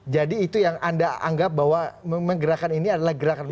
jadi itu yang anda anggap bahwa memang gerakan ini adalah gerakan makar